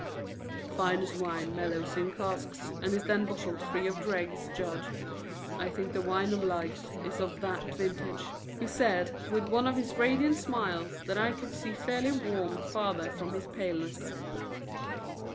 "The finest wine mellows in casks and is then bottled free of dregs, Judge. I think the wine of life is of that vintage," he said, with one of his radiant smiles that I could see fairly warm father from his paleness.